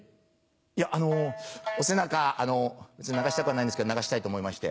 「いやあのお背中別に流したくはないんですけど流したいと思いまして」